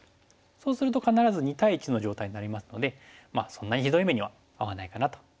そうすると必ず２対１の状態になりますのでそんなにひどい目には遭わないかなと思いますね。